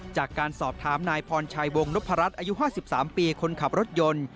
จากการสอบถามนายพรชัยวงนพรัชอายุ๕๓ปีคนขับรถยนต์